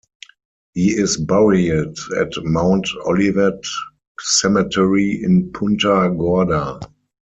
He is buried at Mount Olivet Cemetery in Punta Gorda.